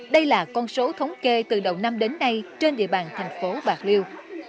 đây là con số thống kê từ đầu năm đến nay trên địa bàn thành phố bạc liêu